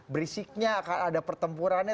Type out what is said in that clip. berisiknya akan ada pertempurannya